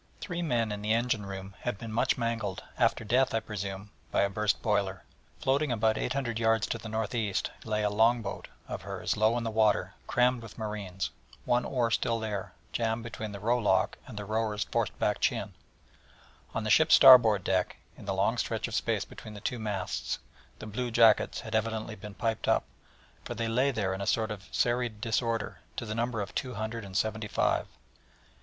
Three men in the engine room had been much mangled, after death, I presume, by a burst boiler; floating about 800 yards to the north east lay a long boat of hers, low in the water, crammed with marines, one oar still there, jammed between the row lock and the rower's forced back chin; on the ship's starboard deck, in the long stretch of space between the two masts, the blue jackets had evidently been piped up, for they lay there in a sort of serried disorder, to the number of two hundred and seventy five.